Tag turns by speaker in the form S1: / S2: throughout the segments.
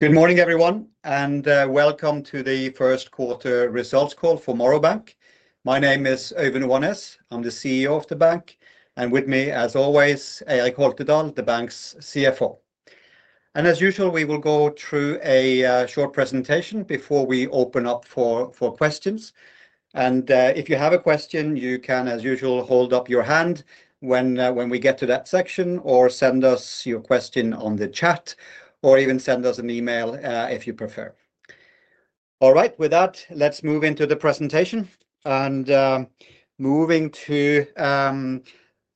S1: Good morning, everyone, and welcome to the first quarter results call for Morrow Bank. My name is Øyvind Oanes. I'm the CEO of the bank, and with me, as always, Eirik Holtedahl, the bank's CFO. As usual, we will go through a short presentation before we open up for questions. If you have a question, you can, as usual, hold up your hand when we get to that section, or send us your question on the chat, or even send us an email if you prefer. All right, with that, let's move into the presentation. Moving to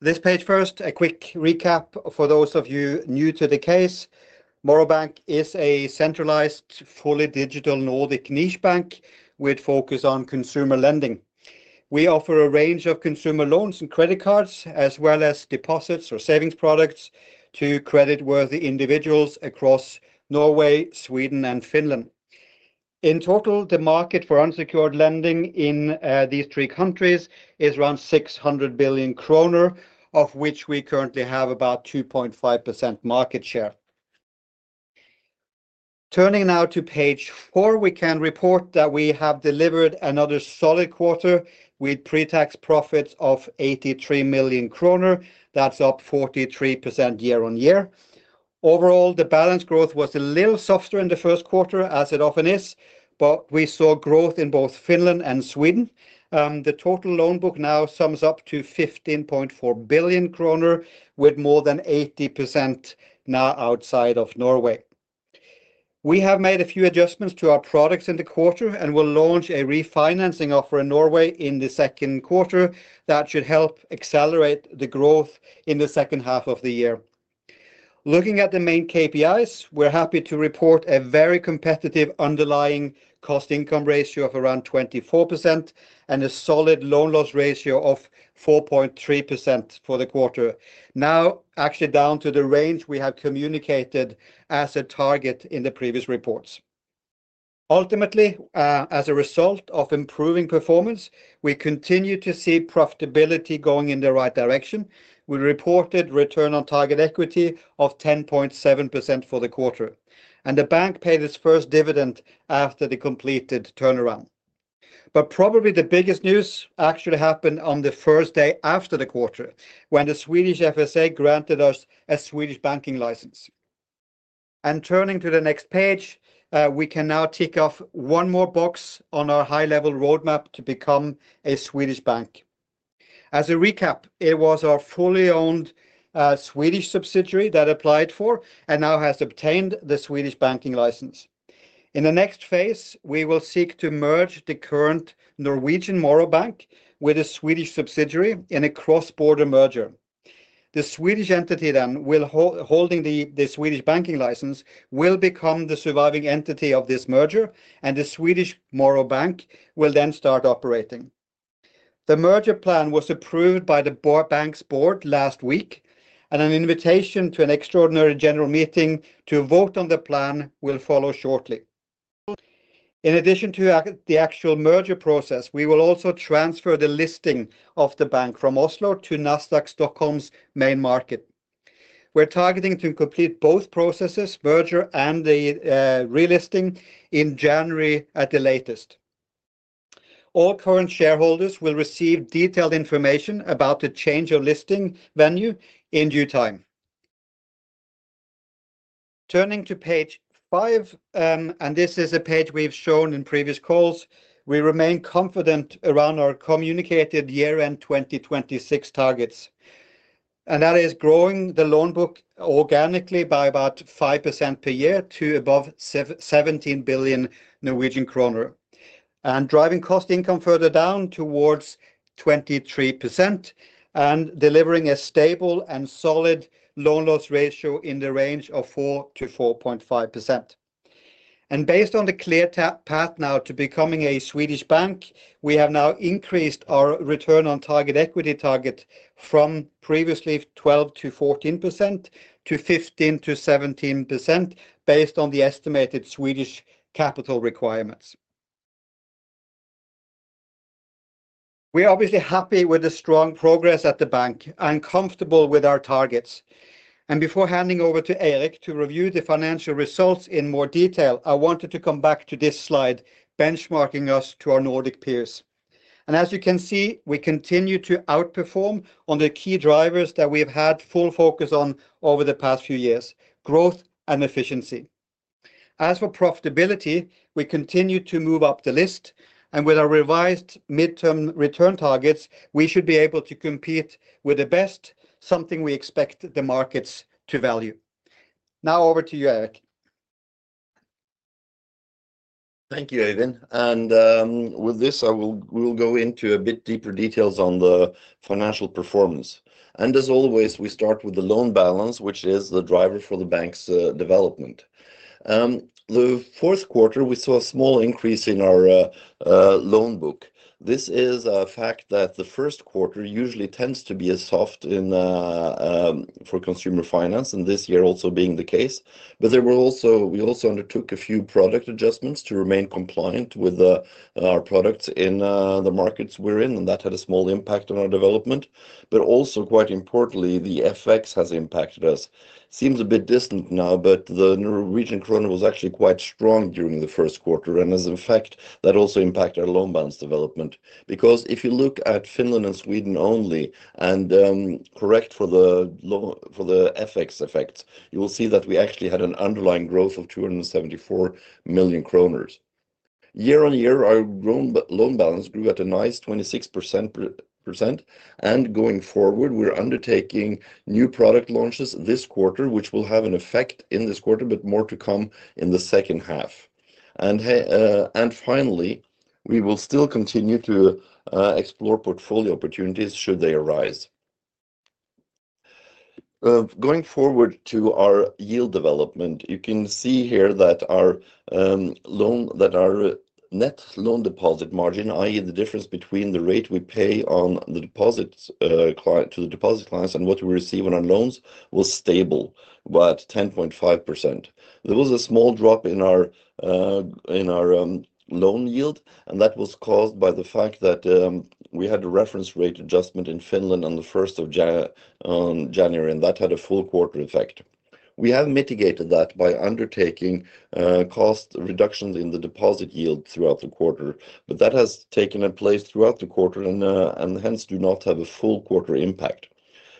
S1: this page first, a quick recap for those of you new to the case. Morrow Bank is a centralised, fully digital Nordic niche bank with a focus on consumer lending. We offer a range of consumer loans and credit cards, as well as deposits or savings products to creditworthy individuals across Norway, Sweden, and Finland. In total, the market for unsecured lending in these 3 countries is around 600 billion kroner, of which we currently have about 2.5% market share. Turning now to page 4, we can report that we have delivered another solid quarter with pre-tax profits of 83 million kroner. That's up 43% year on year. Overall, the balance growth was a little softer in the first quarter, as it often is, but we saw growth in both Finland and Sweden. The total loan book now sums up to 15.4 billion kroner, with more than 80% now outside of Norway. We have made a few adjustments to our products in the quarter and will launch a refinancing offer in Norway in the second quarter that should help accelerate the growth in the second half of the year. Looking at the main KPIs, we're happy to report a very competitive underlying cost-income ratio of around 24% and a solid loan loss ratio of 4.3% for the quarter. Now, actually down to the range we have communicated as a target in the previous reports. Ultimately, as a result of improving performance, we continue to see profitability going in the right direction. We reported return on target equity of 10.7% for the quarter, and the bank paid its first dividend after the completed turnaround. Probably the biggest news actually happened on the first day after the quarter when the Swedish FSA granted us a Swedish banking license. Turning to the next page, we can now tick off one more box on our high-level roadmap to become a Swedish bank. As a recap, it was our fully owned Swedish subsidiary that applied for and now has obtained the Swedish banking license. In the next phase, we will seek to merge the current Norwegian Morrow Bank with the Swedish subsidiary in a cross-border merger. The Swedish entity then will hold the Swedish banking license, will become the surviving entity of this merger, and the Swedish Morrow Bank will then start operating. The merger plan was approved by the bank's board last week, and an invitation to an extraordinary general meeting to vote on the plan will follow shortly. In addition to the actual merger process, we will also transfer the listing of the bank from Oslo to Nasdaq Stockholm's main market. We're targeting to complete both processes, merger and the relisting, in January at the latest. All current shareholders will receive detailed information about the change of listing venue in due time. Turning to page 5, and this is a page we've shown in previous calls, we remain confident around our communicated year-end 2026 targets. That is growing the loan book organically by about 5% per year to above 17 billion Norwegian kroner, and driving cost-income further down towards 23%, and delivering a stable and solid loan loss ratio in the range of 4-4.5%. Based on the clear path now to becoming a Swedish bank, we have now increased our return on target equity target from previously 12-14% to 15-17% based on the estimated Swedish capital requirements. We're obviously happy with the strong progress at the bank and comfortable with our targets. Before handing over to Eirik to review the financial results in more detail, I wanted to come back to this slide benchmarking us to our Nordic peers. As you can see, we continue to outperform on the key drivers that we have had full focus on over the past few years: growth and efficiency. As for profitability, we continue to move up the list, and with our revised midterm return targets, we should be able to compete with the best, something we expect the markets to value. Now over to you, Eirik.
S2: Thank you, Øyvind. With this, I will go into a bit deeper details on the financial performance. As always, we start with the loan balance, which is the driver for the bank's development. In the fourth quarter, we saw a small increase in our loan book. This is a fact that the first quarter usually tends to be soft for consumer finance, and this year also being the case. We also undertook a few product adjustments to remain compliant with our products in the markets we are in, and that had a small impact on our development. Quite importantly, the FX has impacted us. It seems a bit distant now, but the Norwegian kroner was actually quite strong during the first quarter, and as a fact, that also impacted our loan balance development. Because if you look at Finland and Sweden only, and correct for the FX effects, you will see that we actually had an underlying growth of 274 million kroner. Year on year, our loan balance grew at a nice 26%, and going forward, we're undertaking new product launches this quarter, which will have an effect in this quarter, but more to come in the second half. Finally, we will still continue to explore portfolio opportunities should they arise. Going forward to our yield development, you can see here that our net loan deposit margin, i.e., the difference between the rate we pay on the deposits to the deposit clients and what we receive on our loans, was stable at 10.5%. There was a small drop in our loan yield, and that was caused by the fact that we had a reference rate adjustment in Finland on the 1st of January, and that had a full quarter effect. We have mitigated that by undertaking cost reductions in the deposit yield throughout the quarter, but that has taken place throughout the quarter and hence do not have a full quarter impact.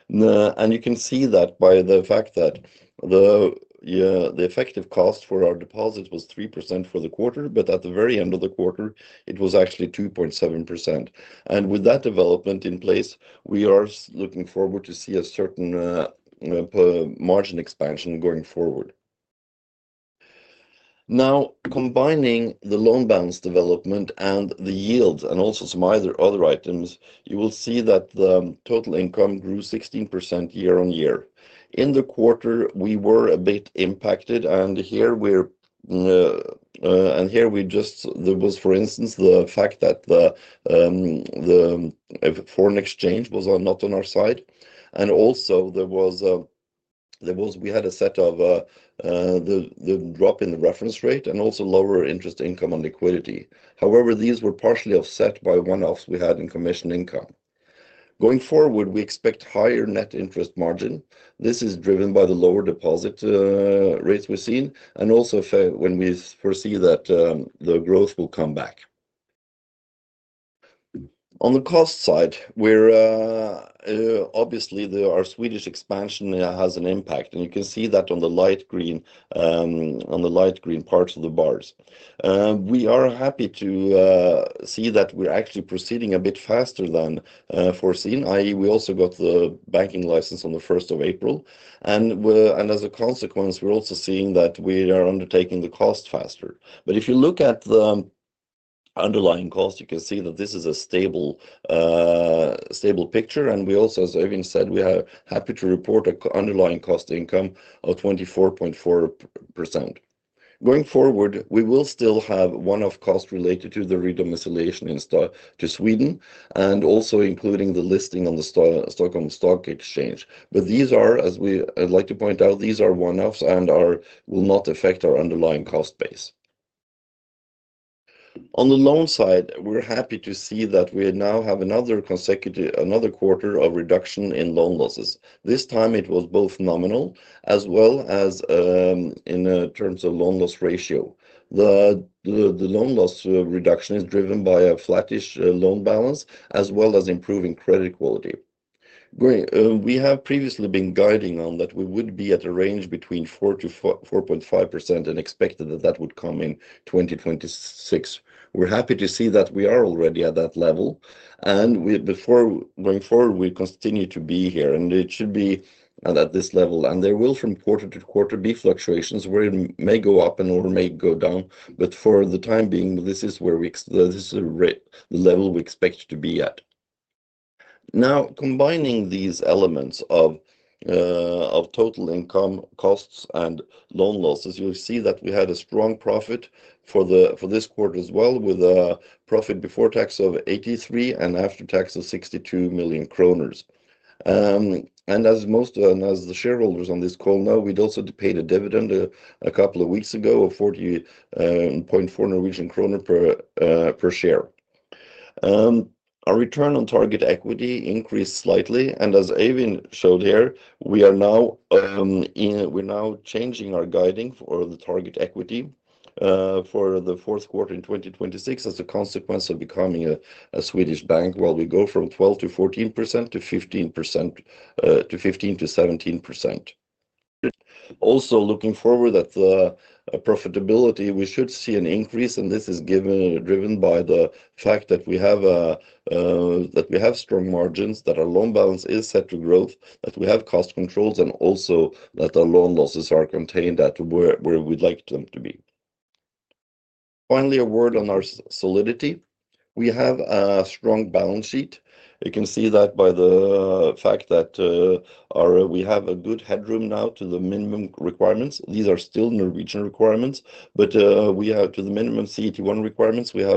S2: You can see that by the fact that the effective cost for our deposits was 3% for the quarter, but at the very end of the quarter, it was actually 2.7%. With that development in place, we are looking forward to see a certain margin expansion going forward. Now, combining the loan balance development and the yield and also some other items, you will see that the total income grew 16% year on year. In the quarter, we were a bit impacted, and here we just, there was, for instance, the fact that the foreign exchange was not on our side. Also, we had a set of the drop in the reference rate and also lower interest income on liquidity. However, these were partially offset by one-offs we had in commission income. Going forward, we expect higher net interest margin. This is driven by the lower deposit rates we've seen and also when we foresee that the growth will come back. On the cost side, obviously, our Swedish expansion has an impact, and you can see that on the light green parts of the bars. We are happy to see that we're actually proceeding a bit faster than foreseen, i.e., we also got the banking license on the 1st of April. As a consequence, we're also seeing that we are undertaking the cost faster. If you look at the underlying cost, you can see that this is a stable picture, and we also, as Øyvind said, we are happy to report an underlying cost-income of 24.4%. Going forward, we will still have one-off costs related to the re-domiciliation to Sweden and also including the listing on the Stockholm Stock Exchange. These are, as I'd like to point out, one-offs and will not affect our underlying cost base. On the loan side, we're happy to see that we now have another quarter of reduction in loan losses. This time, it was both nominal as well as in terms of loan loss ratio. The loan loss reduction is driven by a flattish loan balance as well as improving credit quality. We have previously been guiding on that we would be at a range between 4-4.5% and expected that that would come in 2026. We're happy to see that we are already at that level, and going forward, we continue to be here, and it should be at this level. There will, from quarter to quarter, be fluctuations where it may go up and may go down, but for the time being, this is the level we expect to be at. Now, combining these elements of total income, costs, and loan losses, you'll see that we had a strong profit for this quarter as well, with a profit before tax of 83 million and after tax of 62 million kroner. As the shareholders on this call know, we'd also paid a dividend a couple of weeks ago of 40.4 Norwegian kroner per share. Our return on target equity increased slightly, and as Øyvind showed here, we are now changing our guiding for the target equity for the fourth quarter in 2026 as a consequence of becoming a Swedish bank, while we go from 12-14% to 15-17%. Also, looking forward at the profitability, we should see an increase, and this is driven by the fact that we have strong margins, that our loan balance is set to grow, that we have cost controls, and also that our loan losses are contained at where we'd like them to be. Finally, a word on our solidity. We have a strong balance sheet. You can see that by the fact that we have a good headroom now to the minimum requirements. These are still Norwegian requirements, but to the minimum CT1 requirements, which is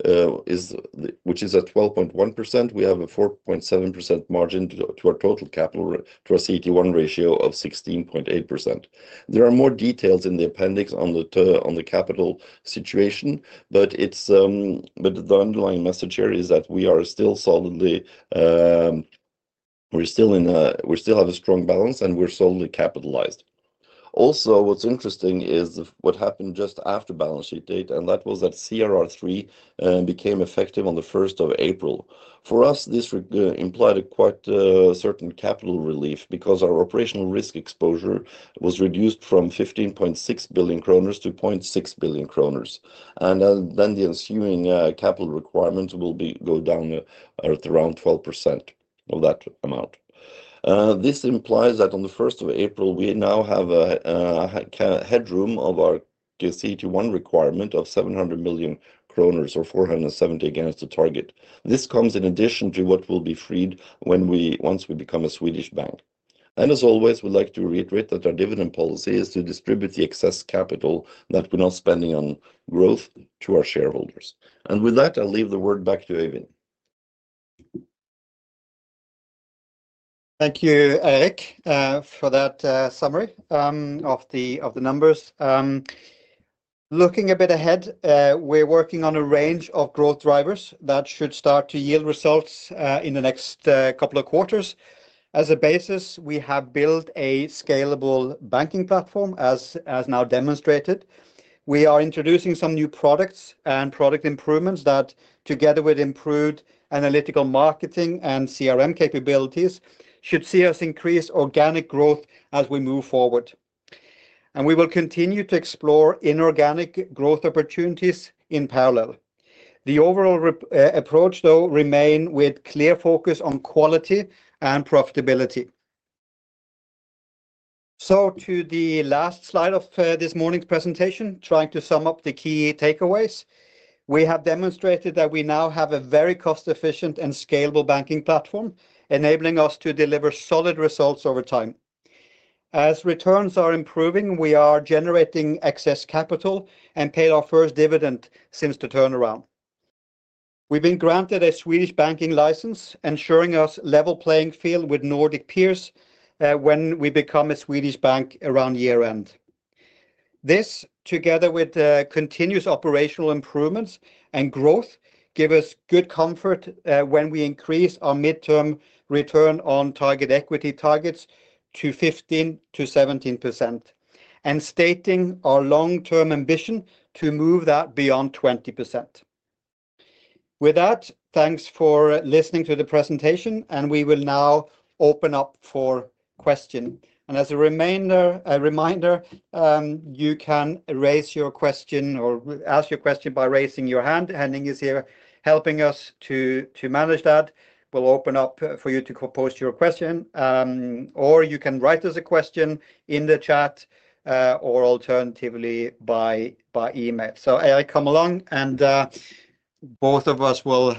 S2: at 12.1%, we have a 4.7% margin to our total capital, to our CT1 ratio of 16.8%. There are more details in the appendix on the capital situation, but the underlying message here is that we are still solidly, we still have a strong balance, and we are solidly capitalized. Also, what is interesting is what happened just after balance sheet date, and that was that CRR3 became effective on the 1st of April. For us, this implied a quite certain capital relief because our operational risk exposure was reduced from 15.6 billion kroner to 0.6 billion kroner, and then the ensuing capital requirements will go down around 12% of that amount. This implies that on the 1st of April, we now have a headroom of our CT1 requirement of 700 million kroner or 470 million against the target. This comes in addition to what will be freed once we become a Swedish bank. We would like to reiterate that our dividend policy is to distribute the excess capital that we are not spending on growth to our shareholders. With that, I will leave the word back to Øyvind.
S1: Thank you, Eirik, for that summary of the numbers. Looking a bit ahead, we're working on a range of growth drivers that should start to yield results in the next couple of quarters. As a basis, we have built a scalable banking platform, as now demonstrated. We are introducing some new products and product improvements that, together with improved analytical marketing and CRM capabilities, should see us increase organic growth as we move forward. We will continue to explore inorganic growth opportunities in parallel. The overall approach, though, remains with clear focus on quality and profitability. To the last slide of this morning's presentation, trying to sum up the key takeaways, we have demonstrated that we now have a very cost-efficient and scalable banking platform, enabling us to deliver solid results over time. As returns are improving, we are generating excess capital and paid our first dividend since the turnaround. We have been granted a Swedish banking license, ensuring us level playing field with Nordic peers when we become a Swedish bank around year-end. This, together with continuous operational improvements and growth, gives us good comfort when we increase our midterm return on target equity targets to 15-17%, and stating our long-term ambition to move that beyond 20%. With that, thanks for listening to the presentation, and we will now open up for questions. As a reminder, you can raise your question or ask your question by raising your hand. Henning is here helping us to manage that. We will open up for you to post your question, or you can write us a question in the chat or alternatively by email. Eirik, come along, and both of us will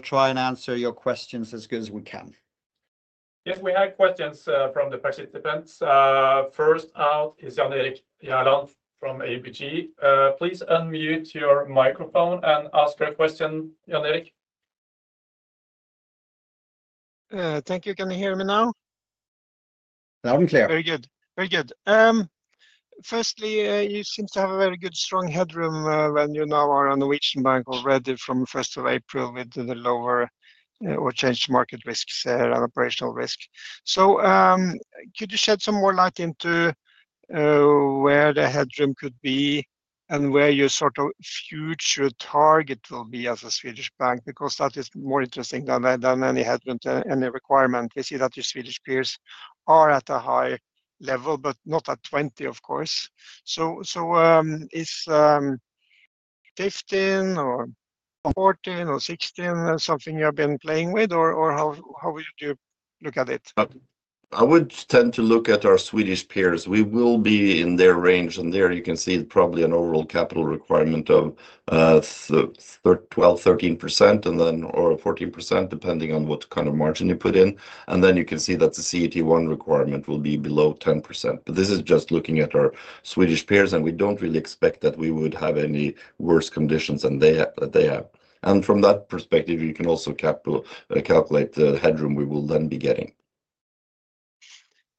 S1: try and answer your questions as good as we can.
S3: Yes, we have questions from the participants. First out is Jan Erik Gjerland from ABG. Please unmute your microphone and ask a question, Jan-Erik.
S4: Thank you. Can you hear me now?
S1: Loud and clear.
S4: Very good. Very good. Firstly, you seem to have a very good strong headroom when you now are a Norwegian bank already from the 1st of April with the lower or changed market risks and operational risk. Could you shed some more light into where the headroom could be and where your sort of future target will be as a Swedish bank? That is more interesting than any headroom to any requirement. We see that your Swedish peers are at a high level, but not at 20, of course. Is 15 or 14 or 16 something you have been playing with, or how would you look at it?
S2: I would tend to look at our Swedish peers. We will be in their range, and there you can see probably an overall capital requirement of 12-14% depending on what kind of margin you put in. You can see that the CET1 requirement will be below 10%. This is just looking at our Swedish peers, and we do not really expect that we would have any worse conditions than they have. From that perspective, you can also calculate the headroom we will then be getting.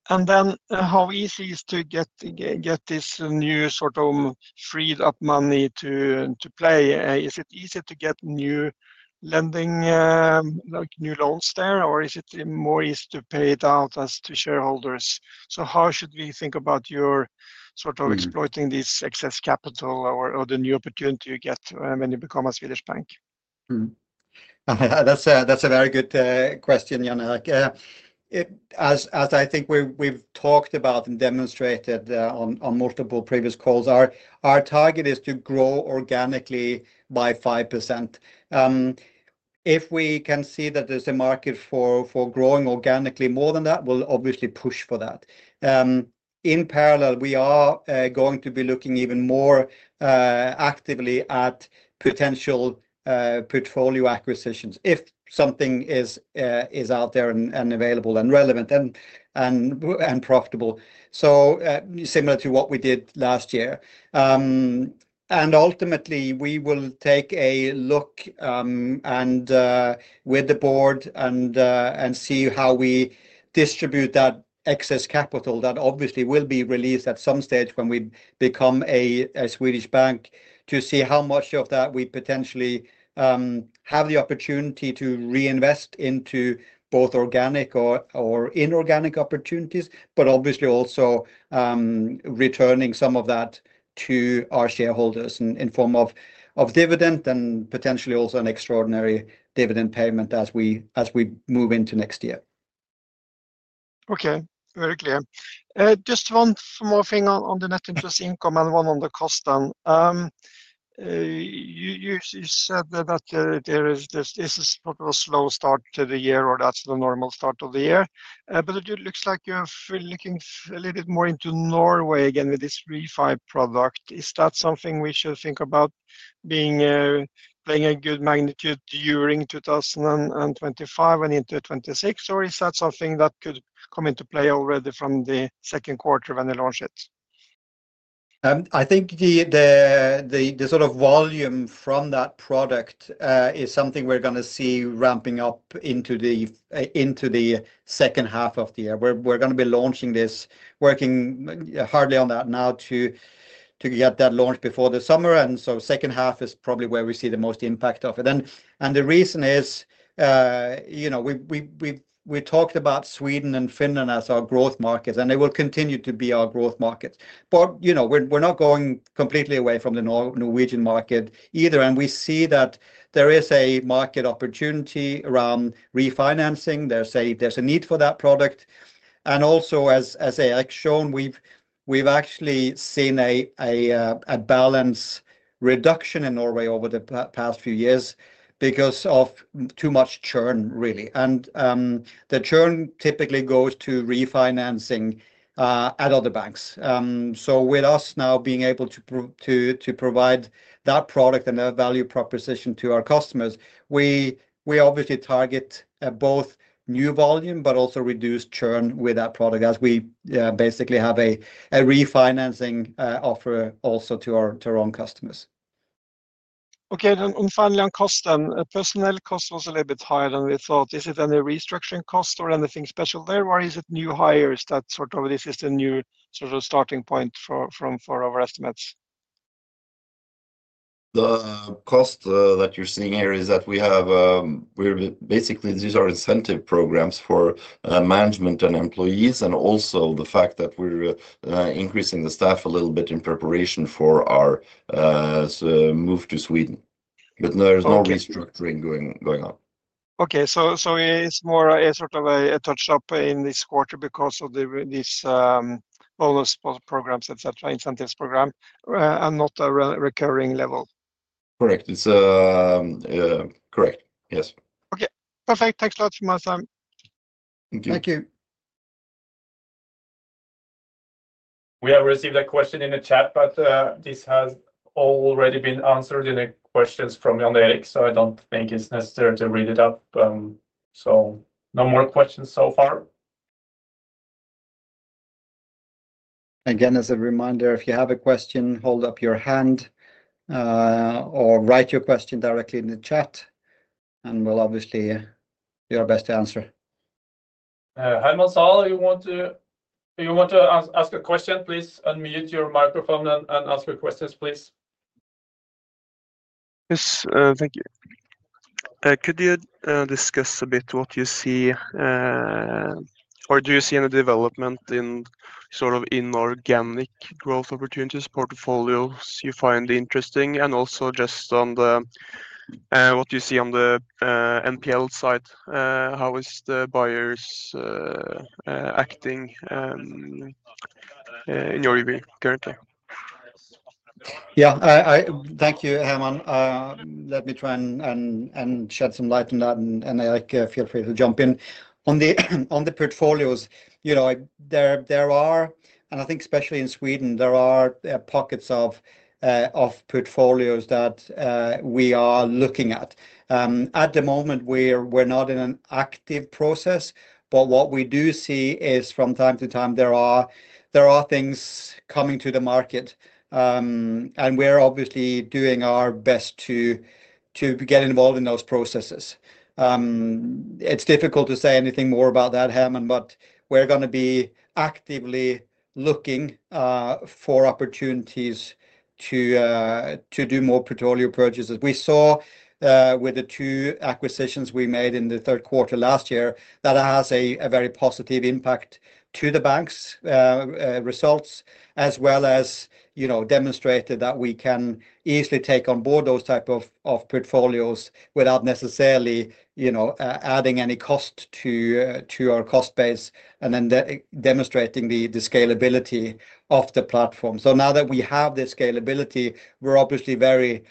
S4: How easy is it to get this new sort of freed-up money to play? Is it easy to get new lending, new loans there, or is it more easy to pay it out to shareholders? How should we think about your sort of exploiting this excess capital or the new opportunity you get when you become a Swedish bank?
S1: That's a very good question, Jan-Erik. As I think we've talked about and demonstrated on multiple previous calls, our target is to grow organically by 5%. If we can see that there's a market for growing organically more than that, we'll obviously push for that. In parallel, we are going to be looking even more actively at potential portfolio acquisitions if something is out there and available and relevant and profitable, similar to what we did last year. Ultimately, we will take a look with the board and see how we distribute that excess capital that obviously will be released at some stage when we become a Swedish bank to see how much of that we potentially have the opportunity to reinvest into both organic or inorganic opportunities, but obviously also returning some of that to our shareholders in form of dividend and potentially also an extraordinary dividend payment as we move into next year.
S4: Okay, very clear. Just one more thing on the net interest income and one on the cost. You said that this is sort of a slow start to the year or that's the normal start of the year, but it looks like you're looking a little bit more into Norway again with this REFI product. Is that something we should think about playing a good magnitude during 2025 and into 2026, or is that something that could come into play already from the second quarter when they launch it?
S1: I think the sort of volume from that product is something we're going to see ramping up into the second half of the year. We're going to be launching this, working hard on that now to get that launched before the summer. Second half is probably where we see the most impact of it. The reason is we talked about Sweden and Finland as our growth markets, and they will continue to be our growth markets. We're not going completely away from the Norwegian market either, and we see that there is a market opportunity around refinancing. There's a need for that product. Also, as Eirik has shown, we've actually seen a balance reduction in Norway over the past few years because of too much churn, really. The churn typically goes to refinancing at other banks. With us now being able to provide that product and that value proposition to our customers, we obviously target both new volume, but also reduced churn with that product as we basically have a refinancing offer also to our own customers.
S4: Okay, and finally on cost, then personnel cost was a little bit higher than we thought. Is it any restructuring cost or anything special there, or is it new hires that sort of this is the new sort of starting point for our estimates?
S2: The cost that you're seeing here is that we have basically these are incentive programs for management and employees and also the fact that we're increasing the staff a little bit in preparation for our move to Sweden. There is no restructuring going on.
S4: Okay, so it's more a sort of a touch-up in this quarter because of these bonus programs, etc., incentive program, and not a recurring level.
S2: Correct. Yes.
S4: Okay. Perfect. Thanks a lot for my time. Thank you.
S1: Thank you.
S3: We have received a question in the chat, but this has already been answered in the questions from Jan-Erik, so I don't think it's necessary to read it up. No more questions so far.
S1: Again, as a reminder, if you have a question, hold up your hand or write your question directly in the chat, and we'll obviously do our best to answer.
S3: Helmut Saal, you want to ask a question, please unmute your microphone and ask your questions, please.
S5: Yes, thank you. Could you discuss a bit what you see, or do you see any development in sort of inorganic growth opportunities, portfolios you find interesting, and also just on what you see on the NPL side, how is the buyers acting in your view currently?
S1: Yeah, thank you, Helmut. Let me try and shed some light on that, and Eirik, feel free to jump in. On the portfolios, there are, and I think especially in Sweden, there are pockets of portfolios that we are looking at. At the moment, we're not in an active process, but what we do see is from time to time, there are things coming to the market, and we're obviously doing our best to get involved in those processes. It's difficult to say anything more about that, Helmut, but we're going to be actively looking for opportunities to do more portfolio purchases. We saw with the 2 acquisitions we made in the third quarter last year that it has a very positive impact to the bank's results, as well as demonstrated that we can easily take on board those types of portfolios without necessarily adding any cost to our cost base and then demonstrating the scalability of the platform. Now that we have this scalability, we're obviously very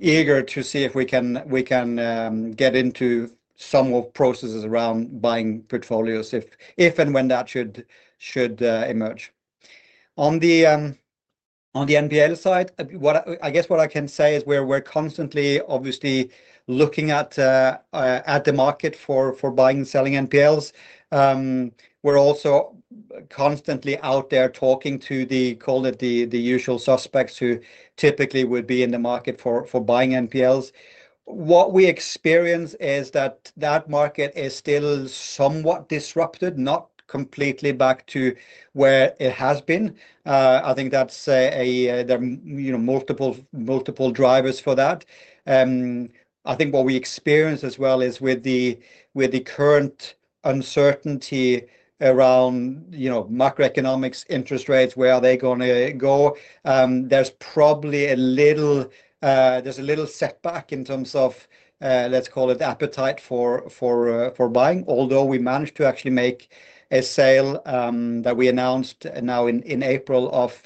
S1: eager to see if we can get into some processes around buying portfolios if and when that should emerge. On the NPL side, I guess what I can say is we're constantly obviously looking at the market for buying and selling NPLs. We're also constantly out there talking to the, call it the usual suspects who typically would be in the market for buying NPLs. What we experience is that market is still somewhat disrupted, not completely back to where it has been. I think there are multiple drivers for that. I think what we experience as well is with the current uncertainty around macroeconomics, interest rates, where are they going to go, there's probably a little setback in terms of, let's call it, appetite for buying, although we managed to actually make a sale that we announced now in April of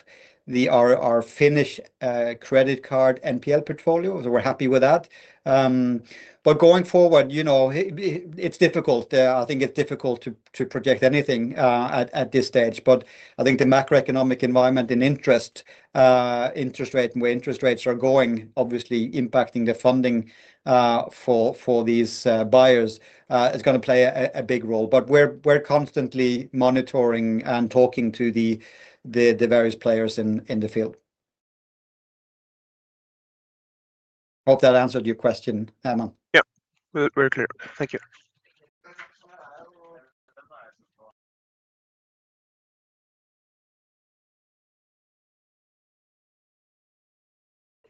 S1: our Finnish credit card NPL portfolio, so we're happy with that. Going forward, it's difficult. I think it's difficult to project anything at this stage, but I think the macroeconomic environment and interest rate and where interest rates are going, obviously impacting the funding for these buyers, is going to play a big role. We're constantly monitoring and talking to the various players in the field. Hope that answered your question, Helmut.
S5: Yeah, very clear. Thank you.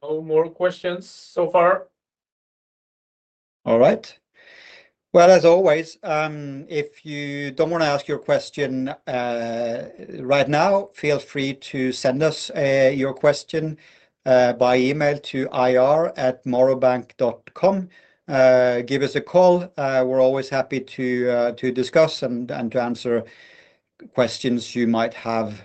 S3: No more questions so far.
S1: All right. As always, if you do not want to ask your question right now, feel free to send us your question by email to ir@morrowbank.com. Give us a call. We are always happy to discuss and to answer questions you might have.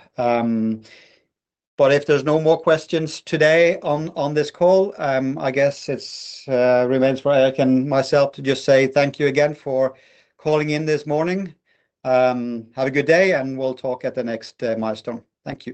S1: If there are no more questions today on this call, I guess it remains for Eirik and myself to just say thank you again for calling in this morning. Have a good day, and we will talk at the next milestone. Thank you.